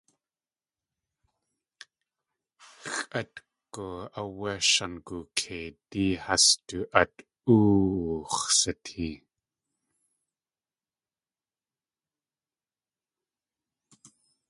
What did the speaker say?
Xʼátgu áwé Shangukeidí has du at óowux̲ sitee.